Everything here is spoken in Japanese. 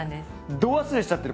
度忘れしちゃってる。